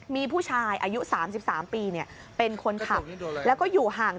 มีผู้ชายอายุ๓๓ปีเป็นคนขับแล้วก็อยู่ห่าง